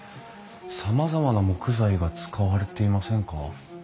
さまざまな木材が使われていませんか？